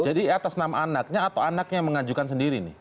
jadi atas nama anaknya atau anaknya yang mengajukan sendiri